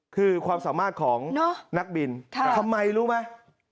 คือความสามารถของนักบินทำไมรู้ไหม